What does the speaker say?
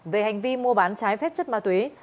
về hành vi mua bán trái phép chất ma túy